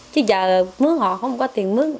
chứ giờ mướn họ không có tiền mướn